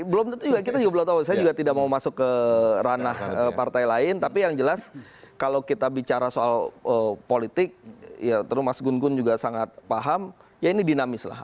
belum tentu juga kita juga belum tahu saya juga tidak mau masuk ke ranah partai lain tapi yang jelas kalau kita bicara soal politik ya tentu mas gun gun juga sangat paham ya ini dinamis lah